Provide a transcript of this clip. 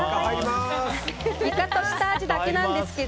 イカと下味だけなんですけど。